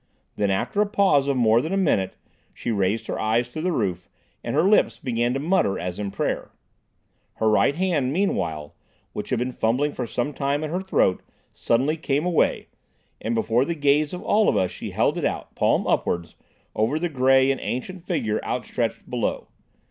Then, after a pause of more than a minute, she raised her eyes to the roof and her lips began to mutter as in prayer. Her right hand, meanwhile, which had been fumbling for some time at her throat suddenly came away, and before the gaze of all of us she held it out, palm upwards, over the grey and ancient figure outstretched below.